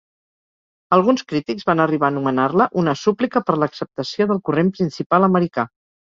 Alguns crítics van arribar a anomenar-la una "súplica per l'acceptació del corrent principal americà.